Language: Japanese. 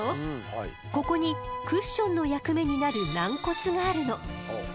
ここにクッションの役目になる軟骨があるの。